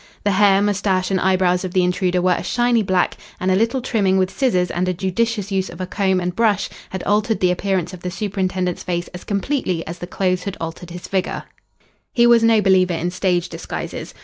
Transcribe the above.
The hair, moustache, and eyebrows of the intruder were a shiny black, and a little trimming with scissors and a judicious use of a comb and brush had altered the appearance of the superintendent's face as completely as the clothes had altered his figure. He was no believer in stage disguises.